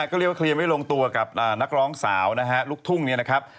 ก็เรียกว่าเคลียร์ไม่ลงตัวกับนักร้องสาวนะฮะลูกทุ่งเนี่ยนะครับ